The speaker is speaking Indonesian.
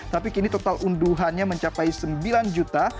tapi kini total unduhannya mencapai sembilan juta